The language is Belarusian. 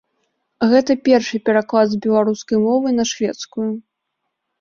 Гэта першы пераклад з беларускай мовы на шведскую.